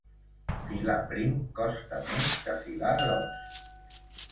Filar prim costa més que filar gros.